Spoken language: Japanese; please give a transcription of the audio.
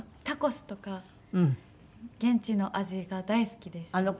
タコスとか現地の味が大好きでした。